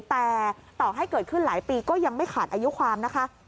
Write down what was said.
แต่ต่อให้เกิดขึ้นหลายปีก็ยังไม่ขาดอายุความนะคะ